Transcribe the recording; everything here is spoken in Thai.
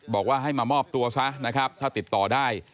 บอกว่าให้มามอบตัวซะนะครับถ้าติดต่อได้